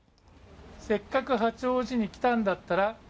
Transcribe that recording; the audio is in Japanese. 「せっかく八王子に来たんだったら」